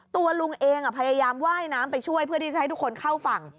ตัวลุงเองพยายามว่ายน้ำไปช่วยเพื่อที่จะให้ทุกคนเข้าฝั่ง